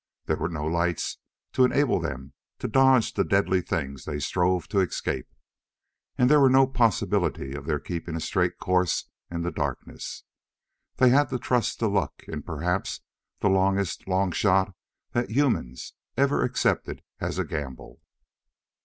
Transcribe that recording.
There were no lights to enable them to dodge the deadly things they strove to escape, and there was no possibility of their keeping a straight course in the darkness. They had to trust to luck in perhaps the longest long shot that humans every accepted as a gamble.